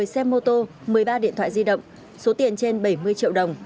một mươi xe mô tô một mươi ba điện thoại di động số tiền trên bảy mươi triệu đồng